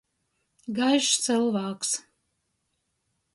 Gaišs cylvāks.